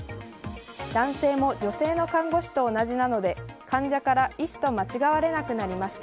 男性も女性の看護師と同じなので患者から医師と間違われなくなりました。